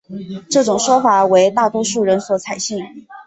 这种说法为大多数人所采信。